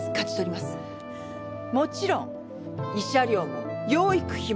もちろん慰謝料も養育費も。